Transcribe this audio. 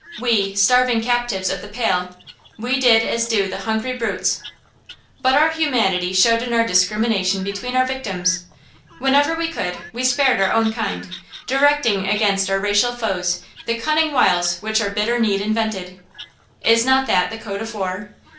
We starving captives of the Pale we did as do the hungry brutes. But our humanity showed in our discrimination between our victims. Whenever we could, we spared our own kind, directing against our racial foes the cunning wiles which our bitter need invented. Is not that the code of war?